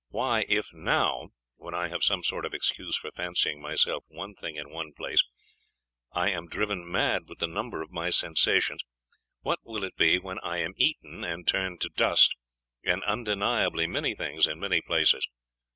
Why if now, when I have some sort of excuse for fancying myself one thing in one place, I am driven mad with the number of my sensations, what will it be when I am eaten, and turned to dust, and undeniably many things in many places....